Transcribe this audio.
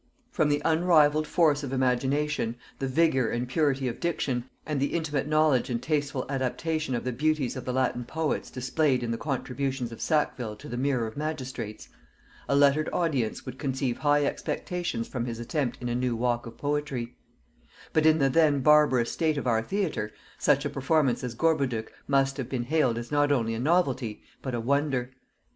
From the unrivalled force of imagination, the vigor and purity of diction, and the intimate knowledge and tasteful adaptation of the beauties of the Latin poets displayed in the contributions of Sackville to the Mirror of Magistrates, a lettered audience would conceive high expectations from his attempt in a new walk of poetry; but in the then barbarous state of our Theatre, such a performance as Gorboduc must have been hailed as not only a novelty but a wonder.